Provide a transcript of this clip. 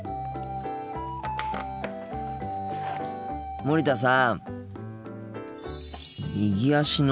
森田さん。